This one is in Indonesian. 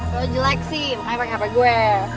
lo jelek sih makanya pake hape gue